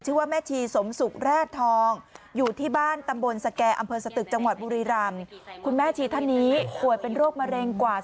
ชื่อว่าแม่ชีสมศุกร์แร่ทอง